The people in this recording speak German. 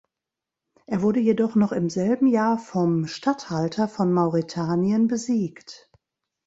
Er wurde jedoch noch im selben Jahr vom Statthalter von Mauretanien besiegt.